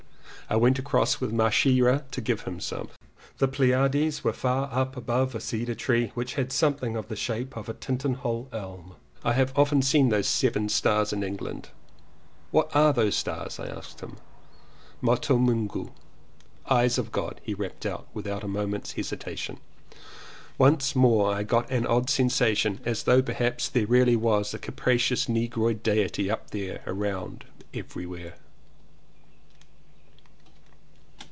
I went across with Mas haria to give him some. The Pleiades were far up above a cedar tree which had some thing of the shape of a Tintinhull elm. "I have often seen those seven stars in Eng land." "What are the stars?" I asked him. "Moto Mungu. "Eyes of God," he rapped out without a moment's hesitation. Once more I got an odd sensation as though perhaps there really was a capri cious negroid diety up there, around, every where.